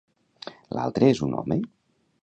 L'altre és un home?